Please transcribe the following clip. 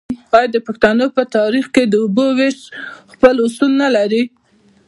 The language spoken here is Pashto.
آیا د پښتنو په کلتور کې د اوبو ویش خپل اصول نلري؟